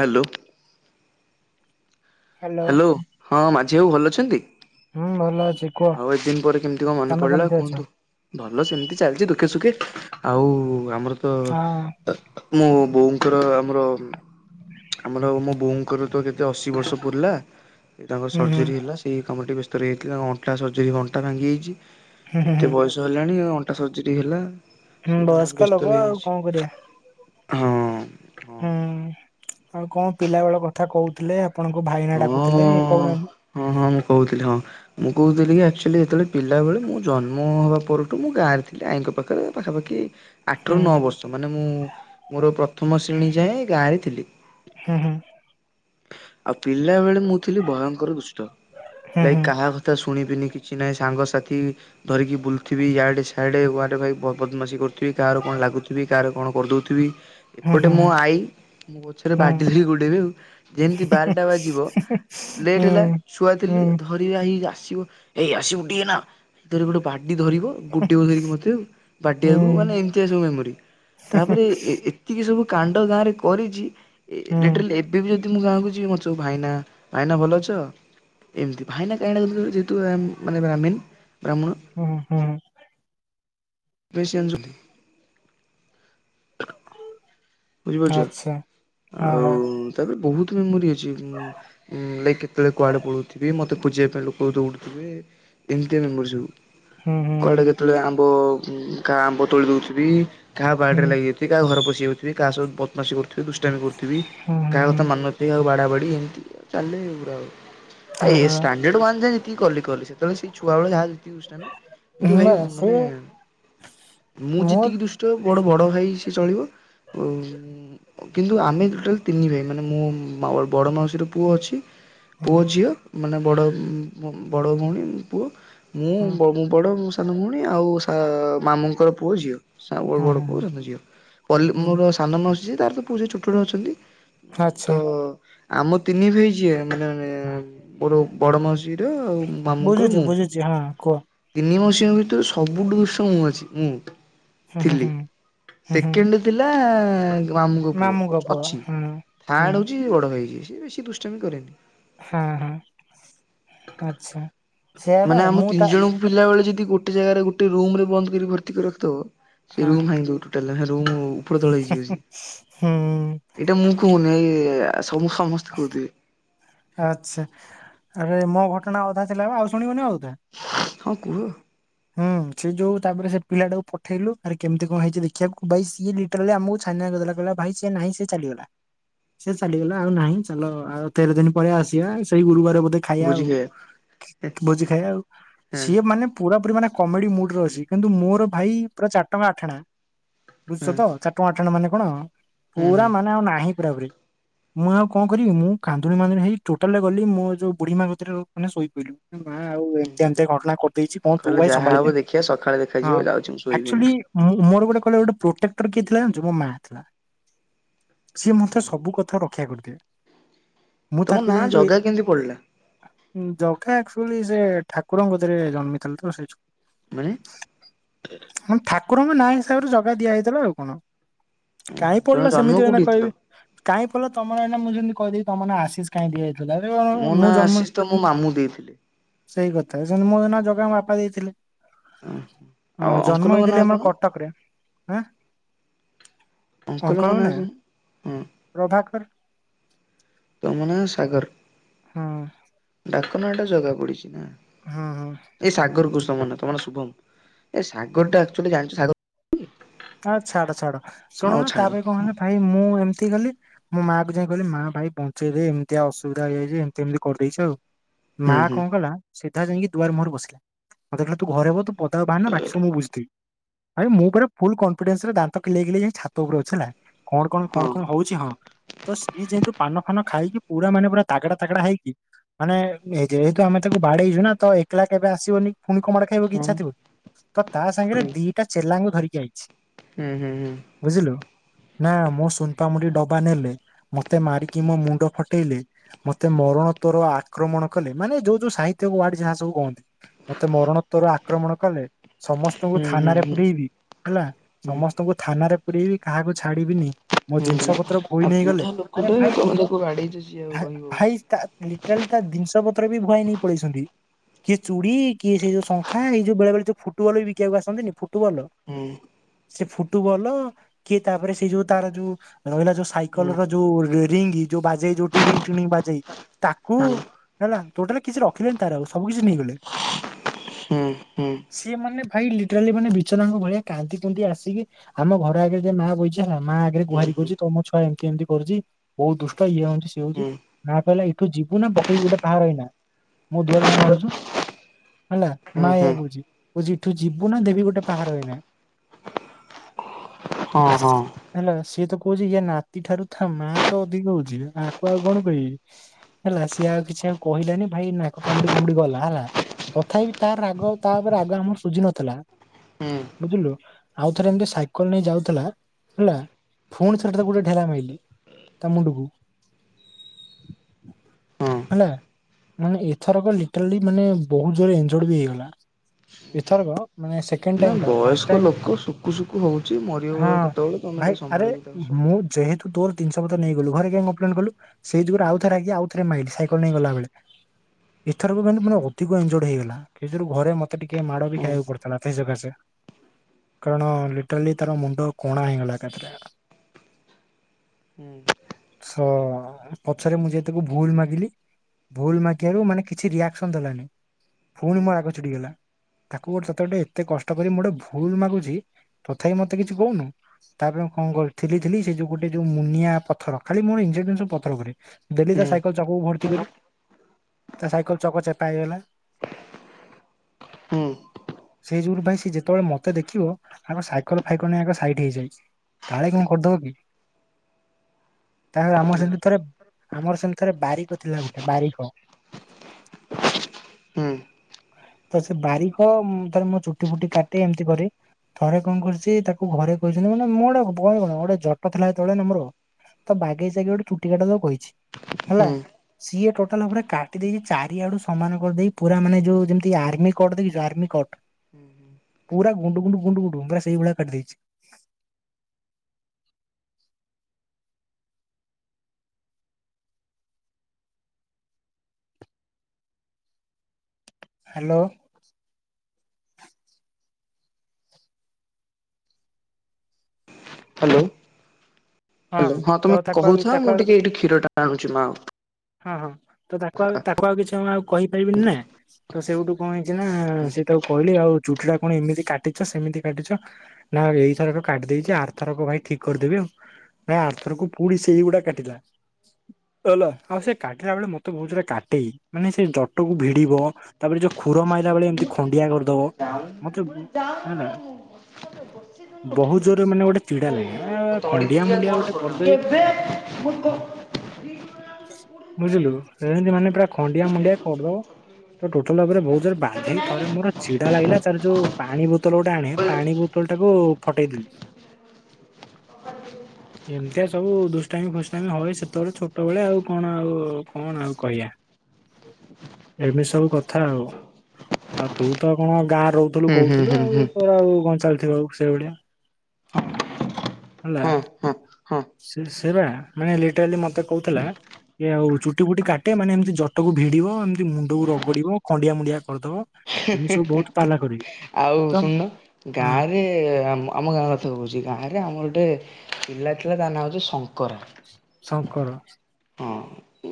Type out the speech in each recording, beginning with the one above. Hello. Hello ହଁ ମାଝି ବାବୁ ଭଲ ଅଛନ୍ତି? ହୁଁ, ଭଲ ଅଛି। କୁହ ଆଉ ଏ ଦିନ ପରେ କେମିତି କଣ ମନେ ତମେ ପଡ଼ିଲା କେମିତି ଅଛ? କୁହନ୍ତୁ? ଭଲ ସେମିତି ଚାଲିଛି ଦୁଃଖେ ସୁଖେ। ଆଉ ଆମର ତ ହଁ ମୋ ବୋଉଙ୍କର ଆମର ଆମର ଆଉ ମୋ ବୋଉ ତାଙ୍କର ତ କେତେ ଅଶୀ ବର୍ଷ ପୁରଲା। ଏ ତାଙ୍କର ହୁଁ ହୁଁ ସର୍ଜରୀ ହୁଁ ହେଲା ସେଇ କାମଟି ବ୍ୟସ୍ତ ରହିଥିଲା। ତାଙ୍କ ଅ ଣ୍ଟା ସର୍ଜରୀ ଅଣ୍ଟା ଭାଙ୍ଗିଯାଇଛି ହୁଁ ଏତେ ହୁଁ ବୟସ ହେଲାଣି ଏ ଅଣ୍ଟା ସର୍ଜରୀ ହେଲା। ହୁଁ, ସେଇ କାମରେ ବୟସ୍କ ବ୍ୟସ୍ତ ଲୋକ ଆଉ ରହିଯାଇଛି କଣ କରିବା। ହଁ। ହଁ। ହୁଁ, ଆଉ କଣ ପିଲା ବେଳ କଥା କହୁଥିଲେ? ଆପଣଙ୍କୁ ଭାଇନା ହଁ ଡାକୁଥିଲେ କହୁନାହାନ୍ତି। ହଁ, ହଁ, ମୁଁ କହୁଥିଲି ହଁ। ମୁଁ କହୁଥିଲି କି ଆକ୍ଚୁଲି ଯେତେବେଳେ ପିଲାବେଳେ ମୁଁ ଜନ୍ମ ହବା ପରଠୁ ମୁଁ ଗାଁରେ ଥିଲି। ଆଈଙ୍କ ପାଖ ଖରେ ପାଖାପାଖି ହୁଁ ଆଠରୁ ନଅ ବର୍ଷ ମାନେ ମୁଁ ମୋର ପ୍ରଥମ ଶ୍ରେଣୀ ଯାଏଁ ଗାଁରେ ଥିଲି। ହୁଁ, ହୁଁ। ଆଉ ପିଲା ବେଳେ ମୁଁ ଥିଲି ଭୟଙ୍କର ଦୁଷ୍ଟ। ହୁଁ ଲାଇ ହୁଁ କାହା କ ଥା ଶୁଣିବିନି କିଛି ନାହିଁ ସାଙ୍ଗସାଥି ଧରିକି ବୁଲଥିବି ଇଆଡେ ସିଆଡେ ମାଡ ଖାଇ ବ-ବଦମାସି କରୁଥିବି। କାହାର କଣ ଲାଗୁଥିବି। କାର କଣ କରିଦଉଥିବି। ହୁଁ ହୁଁ ଏପଟେ ହୁଁ ମୋ ହୁଁ ଆଈ ମୁଁ ପଛରେ ହୁଁ। ବାଡି ଧରିକି ଗୋଡେଇବେ ଆଉ। ଯେମିତି ବାରଟା ବା ଯିବ, ଲେଟ୍ ହୁଁ ହେଲା। ଛୁଆ ହୁଁ ଥିଲି, ଧରିବେ ଆଈ ଯେ ଆସିବ ଏଇ ଆସିବ ଉଡି କିନା ଧରିବ ଗୋଟେ ବାଡ଼ି ଧରିବ। ଗୁଡେଇବ ଧରିକି ମୋତେ ଆଉ ବାଡେଇବାକୁ ହୁଁ ମାନେ ଏମିତିଆ ସବୁ ମେମୋରି। ତା ପରେ ଏ ଏ ତିକି ସବୁ କାଣ୍ଡ ଗାଁ ରେ କରିଛି। ଏ ହୁଁ ଲିଟ୍ରିଲି ଏବେ ବି ଯଦ ଦି ମୁଁ ଗାଁକୁ ଯିବି ମୋତେ ସବୁ ଭାଇନା ଭାଇନା ଭଲ ଅଛ। ଏମିତି, ଭାଇନା କାଇଁ ଡାକୁଚନ୍ତି ଯେହେତୁ ଆମ୍ ମାନେ ବ୍ରାହ୍ମୀଣ, ବ୍ରାହ୍ମଣ। ଓ, ହଁ। ପ୍ରେସିଅନସ୍ ହ ବୁଝିପାରୁଛ, ଆଚ୍ଛା। ହଁ ଆଉ ହଁ ତାପରେ ବହୁତ ମେମୋରି ଅଛି। ଉଁ, ଉଁ, ଲାଇକ୍ କେତେବେଳେ କୁଆଡ଼େ ପଳ଼ଉଥିବି। ମୋତେ ଖୋଜିବା ପାଇଁ ଲୋକ ଦୌଡ଼ୁଥିବେ। ଏମିତିଆ ମେମୋରି ସବୁ। ହୁଁ, ହୁଁ। କୁଆଡେ କେତେଳେ ଆମ୍ବ ଉଁ, କା ଆମ୍ବ ତୋଳି ଦଉଥିବି। କାହା ହୁଁ ବାଡ଼ି ରେ ଲାଗିଯାଇଥିବି। କା ଘର ପଶି ଯାଉ ଥିବି। କାହା ସହ ବଦମାସୀ କରୁଥିବେ। ଦୁଷ୍ଟାମି କରୁଥିବି। ହୁଁ ହୁଁ କା ହୁଁ ହୁଁ କଥା ମାନୁନଥିବି। ଆଉ ବାଡା ବାଡ଼ି ହେମତି ଚାଲେ ପୁରା ଆଉ। ଏ ଓହୋ ଷ୍ଟାଣ୍ଡାର୍ଡ ୱନ ଯାଏ ଯେତିକି କଲି କଲି ସେତେବେଳେ ସେ ଛୁଆବେଳେ ଯାହା ଯେତିକି ଦୁଷ୍ଟାମୀ କିନ୍ତୁ ଭାଇ ବା ସେ ମାନେ ମୁଁ ମୋର ଯେତିକି ଦୁଷ୍ଟ ବଡ଼ ବଡ଼ ଭାଇ ସେ ଚଳିବ କିନ୍ତୁ ଆମେ ଟୋଟାଲ ତିନି ଭାଇ ମାନେ ମୋ ବଡ଼ ମାଉସୀର ପୁଅ ଅଛି। ହୁଁ ପୁଅ ଝିଅ ମାନେ ବଡ଼ ବଡ଼ ଭଉଣୀ ପୁଅ ହୁଁ ମୁଁ ବଡ଼ ମୋ ସାନ ଭଉଣୀ ଆଉ ସା ମାମୁଁଙ୍କର ପୁଅ ଝିଅ। ସା ହୁଁ ବଡ଼ ହୁଁ ପୁଅ ସାନ ଝିଅ। ପଲି ହୁଁ ମୋର ସାନମାଉସୀ ତାର ପୁଅ ଝିଅ ଛୋଟ ଛୋଟ ଅଛନ୍ତି। ତ ଆଚ୍ଛା ଆମ ତିନି ଭାଇ ଯିଏ। ମାନେ ମାନେ ମୋର ବଡ଼ ମାଉସୀ ଜିର ଆଉ ମାମୁଁ ଙ୍କର ବୁଝୁଛି ମୁଁ। ବୁଝୁଛି ହଁ କୁହ। ତିନି ମାଉସୀ ଙ୍କ ଭିତରୁ ସବୁଠୁ ଦୃଶ୍ୟ ମୁଁ ଅଛି ମୁଁ ହୁଁ ହୁଁ ଥିଲି ହୁଁ ହୁଁ ହୁଁ ସେକେଣ୍ଡ ଥିଲା ମାମୁଙ୍କ ପୁଅ ମାମୁଁଙ୍କ ଅଛି ହଁ ହଁ ଥାଡ ହଉଛି ବଡ ଭାଇ ବେଶି ଦୁ ଷ୍ଟାମୀ କରେନି। ହଁ ହଁ ଆଛା ସେଇଆ ମାନେ ବା ଆମ ମୁଁ ତିନି ତା ଜଣଙ୍କୁ ପିଲାବେଳେ ଯଦି ଗୋଟେ ଜାଗାରେ ଗୋଟେ ରୁମ ରେ ବନ୍ଦ କରି ଭର୍ତିକରି ରଖିଦବ ସେ ହଁ ରୁମ ଭାଙ୍ଗି ଦବ ଠୁ। ଗୋଟେ ଲେଖା ରୁମ୍ ଉପର ତଳ ହେଇଯିବ ସେ। ହୁଁ ଏଇଟା ମୁଁ କହୁନି ଏ ଏ ସମ ସମସ୍ତେ କହୁଥିବେ। ଆଛା ଆରେ ମୋ ଘଟଣା ଅଧା ଥିଲା ବା ଆଉ ଶୁଣିବନି ଆଉ ଅଧେ। ହଁ କୁହ। ହୁଁ ସେ ଯୋଉ ତାପରେ ସେ ପିଲାଟାକୁ ପଠେଇଲୁ ଆରେ କେମିତି କଣ ହେଇଛି ଦେଖିବାକୁ ଭାଇ ସିଏ ଲି ଟୋଟାଲୀ ଆମକୁ ଛାନିଆ କରିଦେଲା ଭାଇ ସିଏ ନାହିଁ ସିଏ ଚାଲିଗଲା। ସେ ଚାଲିଗଲା ଆଉ ନାହିଁ ଚାଲ ଆଉ ତେର ଦିନ ପରେ ଆସିବା ସେଇ ଗୁରୁବାର ବୋଧେ ଖାଇବା ଆଉ ଭୋଜି ଖାଇବା ଆଉ ହଁ ସିଏ ମାନେ ପୁରା ପୁରା ମାନେ କମେଡି ମୁଡରେ ଅଛି କିନ୍ତୁ ମୋର ଭାଇ ପୁରା ଚାରି ଟଙ୍କା ଆଠଣା ହଁ ବୁଝୁଛ ତ ଚାର ଟଙ୍କା ଆଠନା ମାନେ କଣ ହୁଁ ହୁଁ ପୁରା ମାନେ ଆଉ ନାହିଁ ପୁରା ପୁରୀ। ମୁଁ ଆଉ କଣ କରିବି ମୁଁ କାନ୍ଦୁଣି ମାନ୍ଦୁଣି ହେଇ ଟୋଟାଲି ଗଲି ମୋ ଯୋଉ ବୁଢୀମା କତିରେ ମାନେ ଶୋଇ ପିଡିଲି। ମା ଆଉ ଏମିତି ଏମିତିଆ ଘଟଣା କରିଦେଇଛି କଣ ତୁ କହିଲେ ଭାଇ ସମ୍ଭାଳି ଦେ ଯାହାହବ ଦେଖିବା ସକାଳେ ଦେଖାଯିବ ଯାଉଛି ମୁଁ ଶୋଇବି ଏନା। ମୁଁ ମୋର ଗୋଟେ କହିଲ ଗୋଟେ ପ୍ରୋଟେକ୍ଟର କିଏ ଥିଲା ଜାଣିଛୁ ମୋ ମା ଥିଲା। ସିଏ ମୋତେ ସବୁ କଥା ରକ୍ଷା କରିଦିଏ। ମୁଁ ତମ ତାକୁ ନାଁ ଯାଇ ଯୋଉ ଜଗା କେମିତି ପଡିଲା ଏ ଜଗା ଆକଚୁଆଲି ସେ ଠାକୁରଙ୍କ କତିରେ ଜନ୍ମିଥିଲା ତ ସେ ମାନେ ହ ଠାକୁରଙ୍କ ନାଁ ହିସାବରେ ଜଗା ଦିଆ ହେଇଥିଲା ଆଉ କଣ। କାଇଁ ତମେ ପଡିଲା ଜନ୍ମ ସେମତି ଏଇନା କୋଉଠି ହେଇଥିଲ? କହିବି କାଇଁ ପଡିଲା ତମର ଏଇନା ମୁଁ ଯେମିତି କହିଦେବି ତମ ନା ଆଶିଷ କାହିଁକି ଦିଆ ହେଇ ମୋ [unintelligible] ମୁଁ ନାଁ ଜନ୍ମ। ଆଶିଷ ତ ମୋ ମାମୁଁ ଦେଇଥିଲେ ସେଇ କଥା ସିମିତି ମୁଁ ଏଇନା ଜଗା ମୋ ବାପା ଦେଇଥିଲେ। ହଁ ଆଉ ଜନ୍ମ ଅଙ୍କଲଙ୍କ ନାଁ ହେଇଥିଲେ ଆମର କଣ? କଟକ ରେ ଆଁ। ଅଙ୍କଲଙ୍କ ନାଁ ନା? କଣ? ହଁ ପ୍ରଭାକର। ତମ ନା ସାଗର। ହଁ। ଡାକ ନା ଟା ଜଗା ପଡିଛି ନା ହୁଁ ହୁଁ ଏଇ ସାଗରକୁ ସ ମାନେ ତୁମ ନା ଶୁଭମ ଏ ସାଗର ଟା ଆକଚୁଆଲି ଜାଣିଛ ସାଗ ହଁ ଛାଡ ଛାଡ ହଉ ଶୁଣୁନ ତା ଛାଡ ପରେ କଣ ହେଲା ଭାଇ ମୁଁ ଏମିତି ଗଲି। ମୋ ମାଆ କୁ ଯାଇ କହିଲି ମା ଭାଇ ପଞ୍ଚେଇଦେ ଏମିତିଆ ଅସୁବିଧା ହେଇଯାଇଛି ଏମିତି ଏମିତି କରିଦେଇଛି ଆଉ ହୁଁ ମା ହୁଁ କଣ କଲା ସିଧା ଯାଇକି ଦୁଆର ମୁହଁରେ ବସିଲା ମତେ କହିଲା ତୁ ଘରେ ବ ତୁ ପ ପଦାକୁ ବାହେରେନା ବାକିସବୁ ମୁଁ ବୁଝିଦେବି ଆରେ ମୁଁ ପରା ଫୁଲ କନଫିଡେନ୍ସ ରେ ଦାନ୍ତ କିଲେଇ କିଲେଇ ଯାଇ ଛାତ ଉପରେ ଅଛି କଣ କଣ କଣ ହଁ କଣ ହଉଛି ହଁ। ତ ସିଏ ଯେହେତୁ ପାନ ଫାନ ଖାଇକି ପୁରା ମାନେ ପୁରା ତାଗଡା ତାଗଡା ହେଇକି ମାନେ ଏ ଯେହେତୁ ଆମେ ତାକୁ ବାଡେଇଛୁ ନା ତ ଏକଲା କେବେ ଆସିବନି ପୁଣି କଣ ମାଡ୍ ଖାଇବାକୁ ହଁ ଇଛା ଥିବ କି ତା ହୁଁ ସାଙ୍ଗରେ ଦିଟା ଚେଲାଙ୍କୁ ଧରିକି ଆଇଛି। ହୁଁ ହୁଁ ହୁଁ। ବୁଝିଲୁ। ନା ମୋ ସୁନପାମ୍ପୁଡି ଡବା ନେଲେ ମତେ ମାରିକି ମୋ ମୁଣ୍ଡ ଫଟେଇଲେ। ମତେ ମରଣ ତୋର ଆକ୍ରମଣ କଲେ ମାନେ ଯୋଉ ଯୋଉ ସାହିତ୍ୟ ୱାର୍ଡ ଯାହା ସବୁ କହନ୍ତି। ମତେ ମରଣୋତ୍ଵର ଆକ୍ରମଣ କଲେ। ସମସ୍ତଙ୍କୁ ହୁଁ ହୁଁ ଥାନାରେ ହୁଁ। ପୁରଇବି ହେଲା ସମସ୍ତଙ୍କୁ ଥାନାରେ ପୁରଇବି କାହାକୁ ଛାଡିବିନି। ମୋ ଜିନିଷ ହୁଁ ପତ୍ର ଭୋଇ ଆଉ ନେଇ ଗଲେ। ବୁଢା ଲୋକଟେ ତମେ ତାକୁ ବାଡେଇଛ ସିଏ ଆଉ ରହିବ ହୁଁ। ଲିଟ୍ରେଲି ତାଜିନିଷ ପତ୍ର ବି ଭୁଆଇ ନେଇ ପଳେଇଚନ୍ତି। କିଏ ଚୁଡ଼ି କିଏ ସେ ଯୋଉ ଶଙ୍ଖା ଏଇ ଯୋଉ ବେଳେବେଳେ ଯଉ ଫୁଟବଲ ବି ବିିବାକୁ ଆସନ୍ତିନି ଫୁଟବଲ୍। ହୁଁ। ସେ ଫୁଟୁବଲ କି ତାପରେ ସେ ଯୋଉ ତାର ଯୋଉ ରହିଲା ଯୋଉ ହୁଁ ସାଇକଲ ର ଯୋଉ ରିଙ୍ଗ ଯୋଉ ବାଜେଇ ଯୋଉ ଟିଡିଙ୍ଗଟିଣିଙ୍ଗ ବାଜେଇ ତାକୁ। ହେଲା ଟୋଟାଲି କିଛି ରଖିଲେି ତାର ଆଉ ସବୁ କିଛି ନେଇଗଲେ। ହୁଁ ହୁଁ ହୁଁ ସିଏ ମାନେ ଭାଇ ଲିଟରାଲି ମାନେ ବିଚରାଙ୍କ ଭଳିଆ କାନ୍ଦି କାନ୍ଦି ଆସିକି ଆମ ଘର ଆଗେରେ ଯେ ମା ବହିଛି ନା ମା ଆଗରେ ହୁଁ ହୁଁ ହୁଁ ଗୁହାରି କରୁଚି ହୁଁ ତମ ଛୁଆ ଏମିତି ଏମିତି କରୁଚି। ବହୁତ ଦୁଷ୍ଟ ଇଏ ହଉଚି ସେି ହଉଚି ମା କହିଲା ଏଇଠୁ ଯିବୁ ନା ପକେଇବୁ ଗୋଟେ ପାହାର ହେଇନା। ମୁଁ ଦୁଆର ମୁହଁ ମାଡୁଚୁ। ହେଲା ମା ହଁ ଏୟା କହୁଚି କହୁଚି ଏଠୁ ଯିବୁ ନା ଦେବି ଗୋଟେ ପାହାର ଏଇନା। ହଁ ହଁ। ହେଲା ସିଏ ତ କହୁଚି ଇଏ ନାତି ଠାରୁ ଥା ମା ତ ଅଧିକ ହଉଛି ଆକୁ ଆଉ କଣ କହିବି। ହେଲା ସିଏ ଆଉ କିଛି ଆଉ କହିଲାନି ଭାଇ ନାକ କାମୁଡି କାମୁଡି ଗଲା ହେଲା। ତଥାପି ତାର ରାଗ ତା ଉପରେ ରାଗ ଆମର ସୁଜି ନଥିଲା। ହୁଁ ବୁଝିଲୁ ଆଉ ଥରେ ଏମିତି ସାଇକେଲ ନେଇ ଯାଉଥିଲା ହେଲା। ଫୁଣି ଥରେ ତାକୁ ଗୋଟେ ଢେଲା ମାଇଲି ତା ମୁଣ୍ଡକୁ। ହଁ। ହେଲା ମାନେ ଏଥରକ ଲିଟରଲି ମାନେ ବହୁତ ଜୋରରେ ଏଞ୍ଜଡ଼ ବି ହେଇଗଲା। ଏଥରକ ମାନେ ସେଖେଣ୍ଡ ନା ଟାଇମଟା ବୟସ୍କ ଲୋକ ଶୁଖୁ ଶୁଖୁ ହଉଚି ହଁ ମରିବ କେତେବେଳେ ତମେ ଭାଇ ଟିକେ ଆରେ ସମ୍ଭାଳିବ ତାଙ୍କ ସହ ମୁଁ ଯେହେତୁ ତୋର ତିନିସହ ପତ୍ର ନେଇ ଗଲୁ ଘରେ କାଇଁକମ୍ପ୍ଲେନ କଲୁ। ସେଇ ଜୁଗୁରୁ ହୁଁ ଆଉଥରେ ରାଗିକି ଆଉଥରେ ମାଇଲି ସାଇକେଲ ନେଇ ଗଲା ବେଳେ। ଏଥର କ ମାନେ ମାନେ ହଁ ଅଧିକ ଏଞ୍ଜଡ ହେଇଗଲା। କିଥିରୁ ଘରେ ମତେ ଟିକେ ମାଡ ବି ହଁ ଖାଇବାକୁ ପଡିଥିଲା ସେଇ ସକାସେ। କାରଣ ଲିଟରେଲି ତାର ମୁଣ୍ଡ କଣା ହେଇଗଲା ଏକାଥେରେ। ହୁଁ। ସ ପଛରେ ମୁଁ ଯାଇ ତାକୁ ଭୁଲ ମାଗିଲି। ଭୁଲ ମାଗିବାରୁ ମାନେ କିଛି ରିଆକ୍ସନ ଦେଲାନି। ହୁଁ। ପୁଣି ମୋ ରାଗ ଚିଡି ଗଲା ତାକୁ ଗୋଟେ ତତେ ଗୋଟେ ଏତେ କଷ୍ଟ ଟକରି ମୁଁ ଗୋଟେ ଭୁଲ ମାଗୁଚି ତଥାପି ମତେ କିଛି କହୁନୁ। ତାପରେ କଣ କରି ଥିଲି ଥିଲି ସେ ଯୋଉ ଗୋଟେ ଯୋଉ ମୁନିଆ ପଥର ଖାଲି ମୋର ଇଞଜେକ୍ନ ସବୁ ପଥର ଉପରେ। ଦେଲି ହୁଁ ତା ସାଇକେଲ ଚକକୁ ଭର୍ତ୍ତି କରି। ତା ସାଇକେଲ ଚକ ଚେପା ହେଇଗଲା। ହୁଁ ସେଇ ଯୋଗୁରୁ ବାଇ ଯେତେବେଳେ ମତେ ଦେଖିବ ଆଗ ସାଇକଲ ଫାଇକଲ ନେଇକି ଆଗ ସାଇଡ ହେଇଯାଇ। କାଳେ କଣ କରିଦବ କି। ତାପରେ ଆମର ସେମିତି ଥରେ ଆମର ସେମତି ଥରେ ବାରିକ ଥିଲା ଗୋଟେ ବାରିକ। ହୁଁ। ତ ସେ ବାରିକ ମୁଁ ଥରେ ମୋ ଚୁଟି ଫୁଟି କାଟି ଏମିତି କରେ। ଥରେ କଣ କରୁଚି ତାକୁ ଘରେ କହିଚନ୍ତି ମାନେ ମୁଁ ଗୋଟେ [unintelligible] ଗୋଟେ ଜଟ ଥା ସେତେବେଳେ ହେଲେ ମୋର। ତ ବାଗେଇ ସାଗେଇ ଗୋଟେ ଚୁଟି କାଟିଦବ କହିଛି। ହେଲା ହୁଁ ସିଏ ଟୋଟାଲ ଉପରେ କାଟି ଦେଇଛି ଚାରିଆଡୁ ସମାନ କରିଦେଇ ପୁରା ମାନେ ଯୋଉ ଯେମ ଆର୍ମି କଟ୍ ଦେଖିଛୁ ଆର୍ମି କଟ୍, ପୁରା ଗୁଣ୍ଡୁ ଗୁଣ୍ଡୁ ଗୁଣ୍ଡୁ ଗୁଣ୍ଡୁ ପୁରା ସେଇ ଭଳିଆ କାଟିଦେଇଛି। ହ୍ୟାଲୋ। ହ୍ୟାଲୋ ହଁ ତ ତମେ ତାକୁ ଆଉ କହୁଥାଅ ତାକୁ ମୁଁ ଆଉ ଟିକେ ଏଇଠି କ୍ଷୀର ଟା ଆଣୁଛି ମା ହଁ ହଁ ତ ତାକୁ ଆଉ ତାକୁ ଆଉ କିଛି ମୁଁ ଆଉ କହିପାରିବିନି ନା। ହୁଁ ତ ସେଉଠୁ କଣ ହେଇଛି ନା ସିଏ ତାକୁ କହିଲି ଆଉ ଚୁଟିଟା କଣ ଏମିତି କାଟିଛ ସେମିତି କାଟିଛ ନା ଏଇଥରକ କାଟ୍ ଦେଇଛି ଆରଥରକ ଭାଇ ଠିକ କରିଦେବି ଆଉ। ନା ଆରଥରକୁ ପୁଣି ସେଇଗୁଡା କାଟିଲା ହେଲା। ଆଉ ସେ କାଟିଲା ବେଳେ ମତେ ବହୁତ କାଟେ ମାନେ ସେ ଜଟକୁ ଭିଡିବ ତାପରେ ଯୋଉ ଖୁର ମାଇଲା ବେଳେ ଏମିତି ଖଣ୍ଡିଆ [inaudible] କରିଦବ ମତେ ଉଠେଇ ହେଲା ଦେଇ ବହୁତ ଜୋରରେ ମାନେ ଗୋଟେ ଚିଡା ଲାଗେ ଆ କଣ ଖଣ୍ଡିଆ ମୁଣ୍ଡିଆ ଗୋଟେ କରିଦେଇ [inaudible] ବହୁତ [inaudible] ବୁଝିଲୁ ଯେମିତି ମାନେ ପୁରା ଖଣ୍ଡିଆ ମୁଣ୍ଡିଆ କରିଦବ। ତ ଟୋଟାଲ ଉପରେ ବହୁତ ଜୋରେ ବାଧେଇ ଥରେ ମୋର ଛିଡା ଲାଗିଲା ତାର ଯୋଉ ପାଣି ବୋତଲ ଗୋଟେ ଆଣେ ପାଣି ବୋତଲ ଟାକୁ ଫଟେଇଦେଲି। [inaudible] ଏମିତିଆ ସବୁ ଦୁଷ୍ଟାମି ଫୁଷ୍ଟାମି ହଏ ସେତେବେଳେ ଛୋଟବେଳେ ଆଉ। କଣ ଆଉ କଣ ଆଉ କହିବା। ଏମିତି ସବୁ କଥା ଆଉ ଆଉ ତୁ ତ କଣ ଗାଁରେ ର ଥିଲୁ ହୁଁ କହୁଥିଲୁ ହୁଁ ଆଉ ହୁଁ ତ ଆଉ କଣ ଚାଲିଥିବ ଆଉ ସେଇଭଳିଆ। ହେଲା ହଁ ହଁ ହଁ ସେ ସେବା ମାନେ ଲିଟରାଲି ମତେ କହୁଥିଲା ଏ ଆଉ ଚୁଟି ଫୁଟି କାଟେ ମାନେ ଏମିତି ଜଟକୁ ଭିଡିବ ଏମିତି ମୁଣ୍ଡକୁ ରଗଡିବ ଖଣ୍ଡିଆ ମୁଣ୍ଡିଆ କରିଦବ। ଏମିତି ସବୁ ବହୁତ ପାଲା କରିବି ଆଉ ତ ଶୁଣନ ହଁ ଗାଁରେ ରେ ଆମ ଗାଁ କଥା କହୁଛି ଗାଁରେ ଆମର ଗୋଟେ ପିଲା ଥିଲା ତା ନାଁ ହେଉଛି ଶଙ୍କରା ଶଙ୍କର।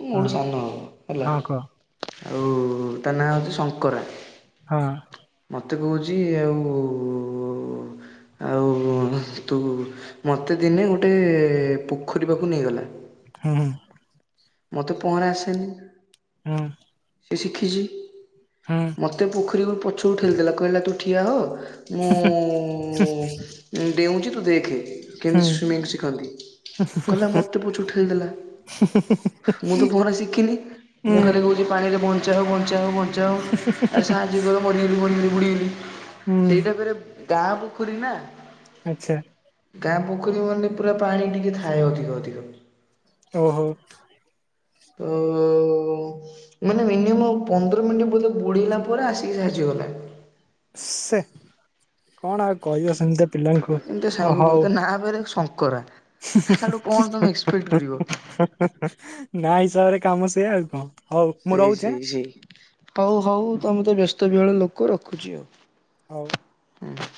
ମୋ ହଁ ଠୁ ସାନ ହବ ହେଲା ହଁ କହ ଆଉ ତା ନାଁ ହଉଛି ଶଙ୍କରା। ହଁ। ମତେ କହୁଛି ଆଉ ଆଉ ତୁ ମତେ ଦିନେ ଗୋଟେ ପୋଖରୀ ପାକୁ ନେଇଗଲା ହୁଁ ହୁଁ। ମତେ ପହଁରା ଆସେନି। ହୁଁ। ସିଏ ଶିଖିଛି। ହୁଁ। ମୋତେ ପୋଖରୀର ପଛକୁ ଠେଲିଦେଲା କହିଲା ତୁ ଠିଆ ହୋ ମୁଁ ଡେଉଁଛି ତୁ ଦେଖେ ହୁଁ କେମିତି ସୁଇମିଙ୍ଗ ଶିଖନ୍ତି, କହିଲା ମୋତେ ପଛକୁ ଠେଲିଦେଲା। [unintelligible] ମୁଁ ତ ପହଁରା ଶିଖିନି ହୁଁ ମୁଁ ଖାଲି କହୁଛି ପାଣିରେ ବଞ୍ଚାଅ ବଞ୍ଚାଅ ବନ୍ ଞ୍ଚାଅ ଆରେ ସାହାଯ୍ୟ କର ମରିଗଲି ମରିଗଲି ବୁଡ଼ିଗଲି ହୁଁ ସେଇଟା ଫେରେ ଗାଁ ପୋଖରୀ ନା। ଆଚ୍ଛା। ଗାଁ ପୋଖରୀ ମାନେ ପୁରା ପାଣି ଟିକେ ଥାଏ ଅଧିକ ଅଧିକ। ଓହୋ। ଓ ହୋ। ମାନେ ମିନିମମ୍ ପନ୍ଦର ମିନିଟ୍ ବୋଧେ ବୁଢିଲା ପରେ ଆସିକି ସାହାଯ୍ୟ କଲା। ସେ କଣ ଆଉ କହିବ ସେମତିଆ ଏମ [unintelligible] ସାଙ୍ଗ କ ନାଁ ବ ଶଙ୍କରା। ନା ଆଡୁ କଣ ତମେ ଏକ୍ସପେକ୍ଟ କରିବ ହିସାବରେ କାମ ସେଏ ଆଉ କଣ। ହଉ ମୁଁ ସେଇ ରହୁଛି ଆଁ ସେଇ ସେଇ ହଉ ହଉ ତମେ ତ ବ୍ୟସ୍ତ ବିହଳ ଲୋକ ରଖୁଛି ଆଉ। ହଉ ହୁଁ